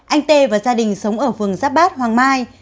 anh t và gia đình sống ở vườn giáp bát hoàng mai